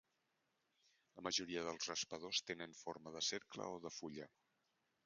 La majoria dels raspadors tenen forma de cercle o de fulla.